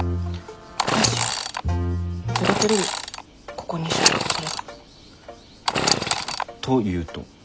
ここ２週間それが。というと？